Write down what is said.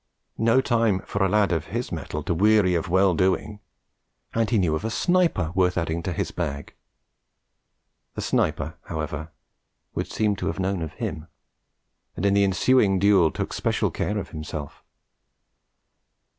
No time for a lad of his mettle to weary of well doing; and he knew of a sniper worth adding to his bag. The sniper, however, would seem to have known of him, and in the ensuing duel took special care of himself.